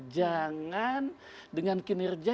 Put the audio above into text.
jangan dengan kinerja